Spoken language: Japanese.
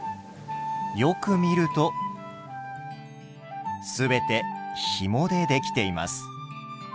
よく見ると全てひもで出来ています。